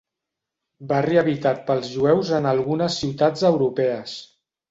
Barri habitat pels jueus en algunes ciutats europees.